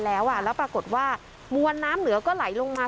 แล้วแล้วปรากฏว่ามวลน้ำเหนือก็ไหลลงมา